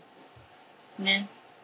ねっ。